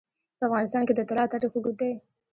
په افغانستان کې د طلا تاریخ اوږد دی.